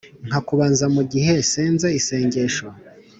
Nkakubanza mugihe nsenze isengesho